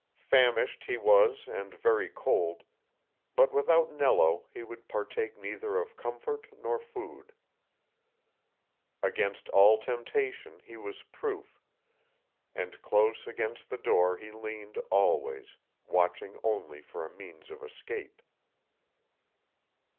Famished he was and very cold, but without Nello he would partake neither of comfort nor food. Against all temptation he was proof, and close against the door he leaned always, watching only for a means of escape.